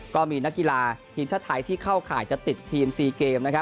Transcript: ก็มีนักกีฬาทีมชาติไทยที่เข้าข่ายจะติดทีม๔เกม